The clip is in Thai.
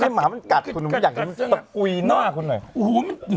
ถ้าม้ามันกัดคุณอยากจะตะกุีหน้าคุณหน่อย